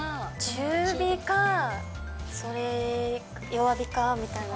中火かそれ、弱火かみたいな。